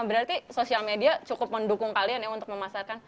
berarti sosial media cukup mendukung kalian ya untuk memasarkan